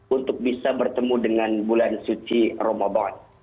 untuk bisa bertemu dengan bulan suci ramadan